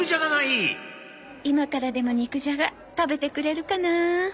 今からでも肉じゃが食べてくれるかな。